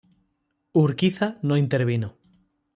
Urquiza no intervino.